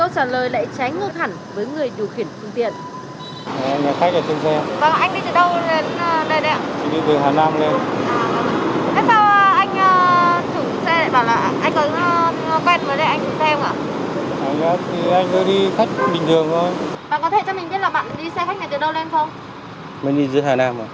sai quy định